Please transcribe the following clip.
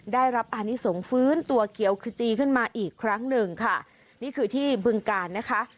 ได้รับอานิสงฆ์ฟื้นตัวเขียวขจีขึ้นมาอีกครั้งหนึ่งค่ะนี่คือที่บึงการนะคะ